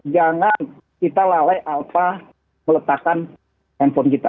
jangan kita lalai alfa meletakkan handphone kita